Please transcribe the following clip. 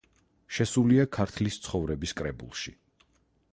შესულია „ქართლის ცხოვრების“ კრებულში.